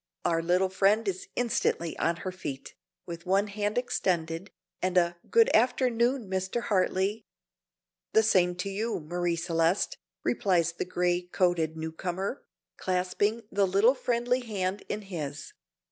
Our little friend is instantly on her feet, with one hand extended, and a "Good afternoon, Mr. Hartley." "The same to you, Marie Celeste," replies the gray coated newcomer, clasping the little, friendly hand in his.